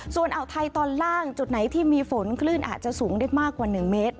ส่วนอ่าวไทยตอนล่างจุดไหนที่มีฝนคลื่นอาจจะสูงได้มากกว่า๑เมตร